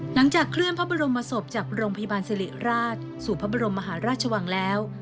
หลังจากเคลื่อนพระบรมศพจากโรงพยาบาลสิริราชสู่พระบรมมหาราชวังแล้ว